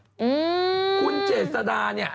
อืมคุณเจษดาเนี่ย